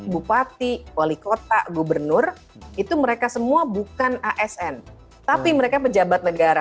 bupati wali kota gubernur itu mereka semua bukan asn tapi mereka pejabat negara